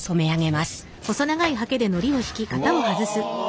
うわ！